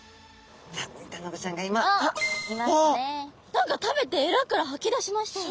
何か食べてエラから吐き出しましたよ。